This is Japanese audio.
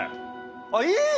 あっいいね！